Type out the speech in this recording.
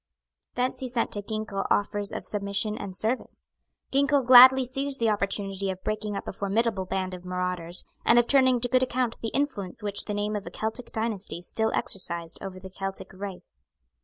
Thence he sent to Ginkell offers of submission and service. Ginkell gladly seized the opportunity of breaking up a formidable band of marauders, and of turning to good account the influence which the name of a Celtic dynasty still exercised over the Celtic race.